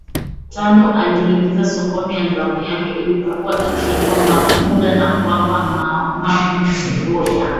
tano aliingiza sokoni albamu yake iliyokuwa ikiitwa Mac Muga na kuwapa Mamu stoo ya